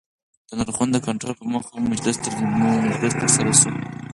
د نرخونو د کنټرول په موخه مجلس ترسره سو